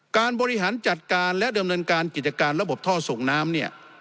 บริหารจัดการและดำเนินการกิจการระบบท่อส่งน้ำเนี่ย